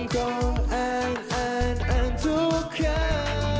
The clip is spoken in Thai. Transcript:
ก็แอ้นทุกคำ